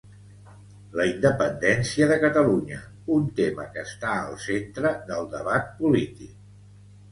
La independència de Catalunya, un tema que està al centre del debat polític